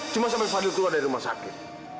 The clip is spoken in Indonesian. cuma sampai fadil keluar dari rumah sakit